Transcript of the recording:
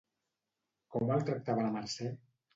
Com el tractava la Mercè?